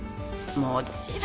もちろん。